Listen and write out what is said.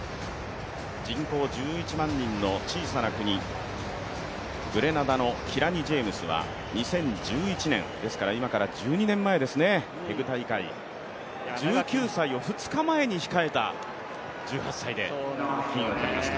人口１１万人の小さな国、グレナダのキラニ・ジェームスは２０１１年、今から１２年前、テグ大会、１９歳を２日前に控えた１８歳で金を取りました。